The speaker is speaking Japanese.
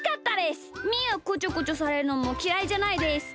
みーはこちょこちょされるのもきらいじゃないです。